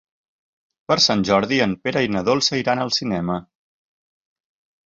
Per Sant Jordi en Pere i na Dolça iran al cinema.